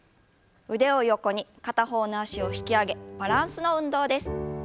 腕を横に片方の脚を引き上げバランスの運動です。